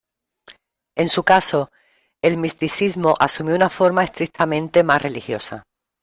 En su caso, el misticismo asumió una forma estrictamente más religiosa.